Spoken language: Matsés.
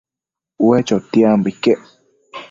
ue chotiadpambo iquec